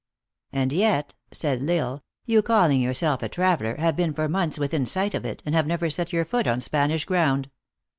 "And yet," said L Isle, "you calling yourself a traveler, have been for months within sight of it, and have never set your foot on Spanish ground."